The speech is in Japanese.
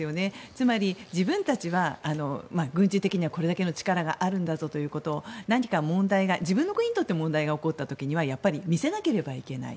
つまり、自分たちは軍事的にはこれだけの力があるんだぞということを何か問題が自分の国にとって問題が起こった時にはやっぱり見せなければいけない。